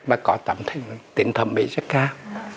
mà có tính thẩm mỹ rất cao